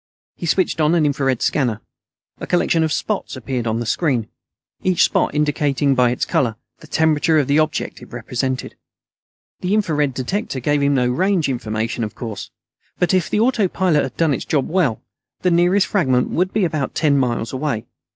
He switched on an infrared scanner. A collection of spots appeared on the screen, each spot indicating by its color the temperature of the object it represented. The infrared detector gave him no range information, of course. But if the autopilot had done its job well, the nearest fragment would be about ten miles away.